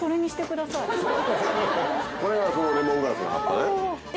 これがそのレモングラスの葉っぱね。